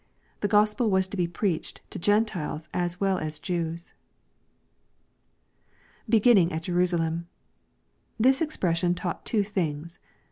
The Gospel was to be preached to Gentiles as well as Jews. [Beginning at Jerusalem^ This expression taught two things.